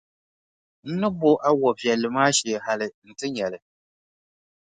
N ni bo a wɔʼ viɛlli maa shee hali nti nya li.